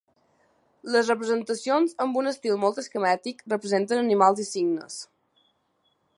Les representacions, amb un estil molt esquemàtic, representen animals i signes.